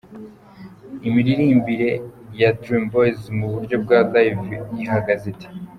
Imiririmbire ya Dream Boyz mu buryo bwa Live ihagaze ite ?.